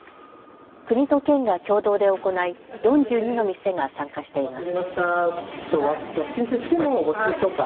国と県が共同で行い４２の店が参加しています。